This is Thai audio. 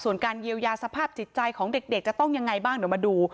ส่วนการเยียวยาสภาพจิตใจของเด็กจะต้องยังไงบ้างเดี๋ยวมาดู